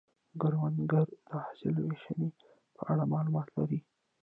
کروندګر د حاصل د ویشنې په اړه معلومات لري